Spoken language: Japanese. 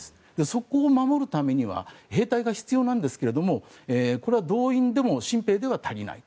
そこを守るためには兵隊が必要なんですけれどもこれは動員でも新兵では足りない。